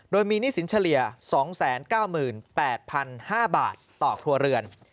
โดยมีหนี้สินเฉลี่ย๒๙๘๕บาทต่อครัวเรือน